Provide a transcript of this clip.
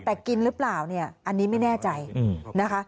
แต่กินหรือเปล่าเนี่ยอันนี้ไม่แน่ใจนะคะ